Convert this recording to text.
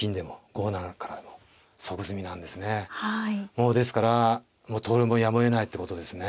もうですから投了もやむをえないってことですね。